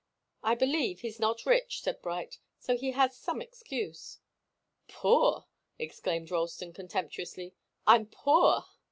"I believe he's not rich," said Bright. "So he has an excuse." "Poor!" exclaimed Ralston, contemptuously. "I'm poor."